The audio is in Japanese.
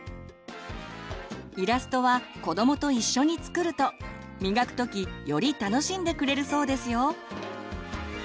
イラストは子どもと一緒に作ると磨くときより楽しんでくれるそうですよ。